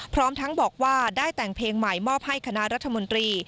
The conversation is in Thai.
พร้อมทั้งบอกว่าได้แต่งเพลงใหม่มอบให้คณะรัฐมนตรี